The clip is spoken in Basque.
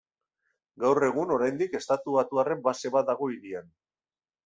Gaur egun oraindik estatubatuarren base bat dago hirian.